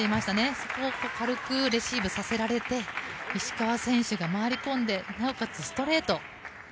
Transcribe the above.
そこを軽くレシーブさせられて石川選手が回り込んでなおかつ、ストレート。